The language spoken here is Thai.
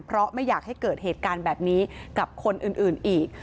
เพราะไม่อยากให้เกิดเหตุการณ์แบบนี้กับคนอื่นอีก